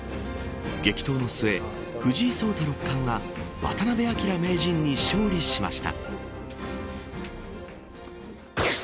激闘の末藤井聡太六冠が渡辺明名人に勝利しました。